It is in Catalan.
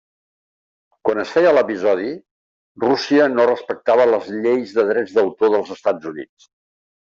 Quan es feia l'episodi, Rússia no respectava les lleis de drets d'autor dels Estats Units.